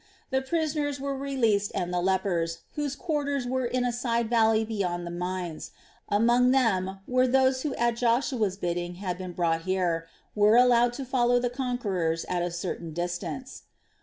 The prisoners were released and the lepers, whose quarters were in a side valley beyond the mines among them were those who at Joshua's bidding had been brought here were allowed to follow the conquerors at a certain distance.